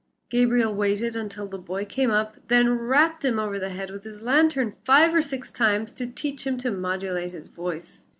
Gabriel waited until the boy came up, then rapped him over the head with his lantern five or six times to teach him to modulate his voice.